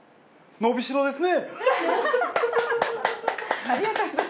伸びしろですね。